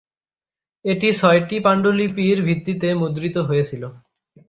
এটি ছয়টি পাণ্ডুলিপির ভিত্তিতে মুদ্রিত হয়েছিল।